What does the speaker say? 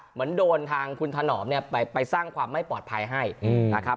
เหมือนโดนทางคุณถนอมเนี่ยไปสร้างความไม่ปลอดภัยให้นะครับ